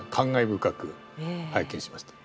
深く拝見しました。